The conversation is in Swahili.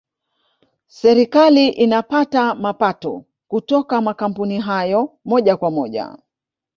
serikali inapata mapato kutoka makampuni hayo moja kwa moja